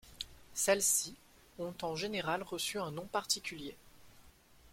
Celles-ci ont en général reçu un nom particulier.